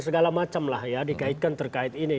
segala macam lah ya dikaitkan terkait ini